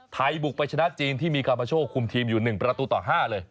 บุกไปชนะจีนที่มีคาบาโชคุมทีมอยู่๑ประตูต่อ๕เลย